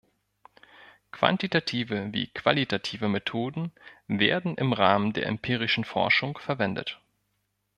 Quantitative wie qualitative Methoden werden im Rahmen der empirischen Forschung verwendet.